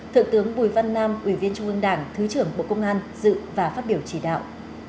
thượng tướng bùi văn nam ủy viên trung ương đảng thứ trưởng bộ công an dự và phát biểu chỉ đạo